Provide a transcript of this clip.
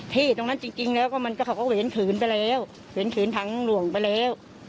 ที่ตรงนั้นจริงก็เสียคนเขาวนขึนไปแล้วเว็นแล้วทางหลวงไปเลย